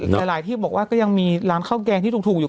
แต่หลายที่บอกว่าก็ยังมีร้านข้าวแกงที่ถูกอยู่